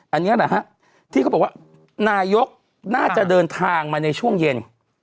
อันนี้แหละฮะที่เขาบอกว่านายกน่าจะเดินทางมาในช่วงเย็น